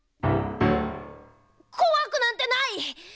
こわくなんてない！